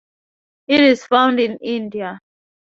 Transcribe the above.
It is found in India.